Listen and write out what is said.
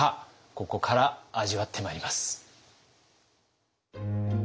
ここから味わってまいります。